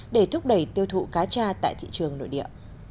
để thúc đẩy tiêu thụ cá tra tại thị trường nội địa